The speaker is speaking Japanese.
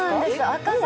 赤坂